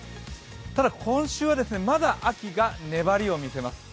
ただ、今週はまだ秋が粘りを見せます。